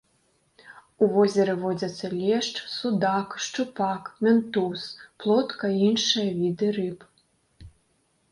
У возеры водзяцца лешч, судак, шчупак, мянтуз, плотка і іншыя віды рыб.